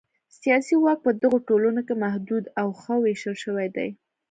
سیاسي واک په دغو ټولنو کې محدود او ښه وېشل شوی دی.